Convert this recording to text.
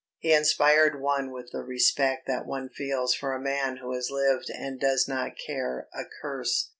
He inspired one with the respect that one feels for a man who has lived and does not care a curse.